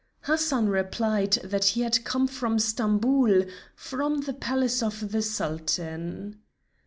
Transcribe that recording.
Hassan replied that he had come from Stamboul, from the Palace of the Sultan.